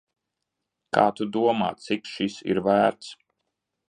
Kā tu domā, cik šis ir vērts?